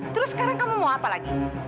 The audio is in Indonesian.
terus sekarang kamu mau apa lagi